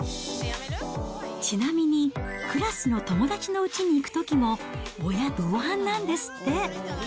ちなみに、クラスの友達の家に行くときも、親同伴なんですって。